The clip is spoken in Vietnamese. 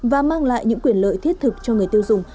và mang lại những quyền lợi thiết thực cho người tiêu dùng